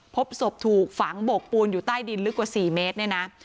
พบศพถูกฝังโบกปูนอยู่ใต้ดินลึกกว่า๔เมตรเนี่ยนะ